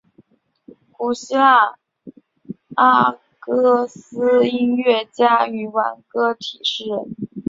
古希腊阿哥斯音乐家与挽歌体诗人。